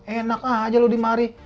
enak aja lu dimari